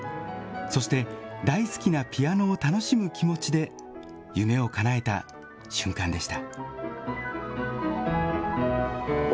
そして、大好きなピアノを楽しむ気持ちで夢をかなえた瞬間でした。